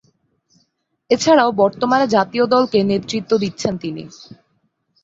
এছাড়াও বর্তমানে জাতীয় দলকে নেতৃত্ব দিচ্ছেন তিনি।